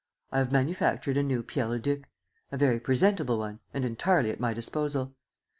I have manufactured a new Pierre Leduc, a very presentable one and entirely at my disposal.